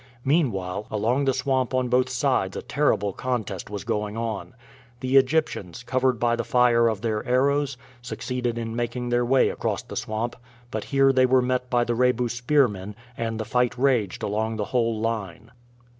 Meanwhile, along the swamp on both sides a terrible contest was going on. The Egyptians, covered by the fire of their arrows, succeeded in making their way across the swamp, but here they were met by the Rebu spearmen, and the fight raged along the whole line.